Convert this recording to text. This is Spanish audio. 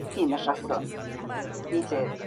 Es parte del paquete de utilidades util-linux.